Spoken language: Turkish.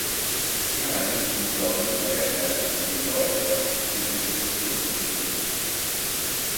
Nihayet bu dağınık hayallerden biri yavaş yavaş sükûnet buldu, açıldı.